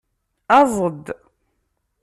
Aẓ-d.